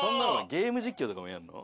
ゲーム実況とかもやるの。